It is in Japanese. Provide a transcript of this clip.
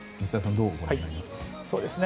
どうご覧になりますか？